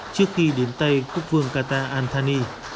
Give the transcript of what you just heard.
trước khi đến tay quốc vương qatar al thani